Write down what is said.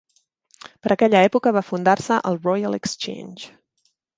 Per aquella època va fundar-se el Royal Exchange.